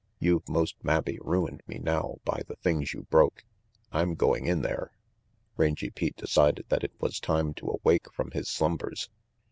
"You've most mabbe ruined me now by the things you broke. I'm going in there Rangy Pete decided that it was time to awake from his slumbers.